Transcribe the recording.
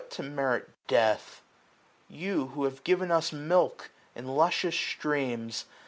To merit death ? you, who have given us milk In luscious streams